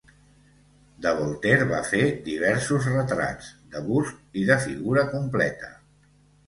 De Voltaire va fer diversos retrats, de bust i de figura completa.